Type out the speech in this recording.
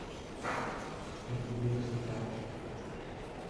El primero sin cara!